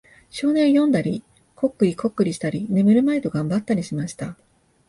少年は読んだり、コックリコックリしたり、眠るまいと頑張ったりしました。